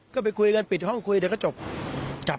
ก็ไปคุยกันปิดห้องคุยเดี๋ยวก็จบจับ